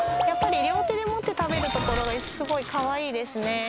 やっぱり両手で持って食べるところがすごいかわいいですね。